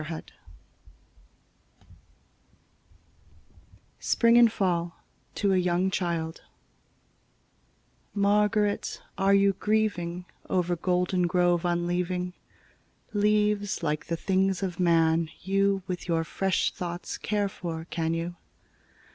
31 Spring and Fall: to a young child MÁRGARÉT, áre you gríeving Over Goldengrove unleaving? Leáves, like the things of man, you With your fresh thoughts care for, can you?